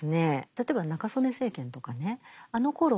例えば中曽根政権とかねあのころ